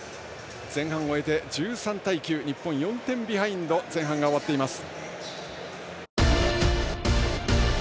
前半終えて１３対９と日本、４点ビハインド前半が終わっています。